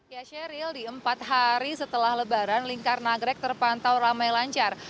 ya sheryl di empat hari setelah lebaran lingkar nagrek terpantau ramai lancar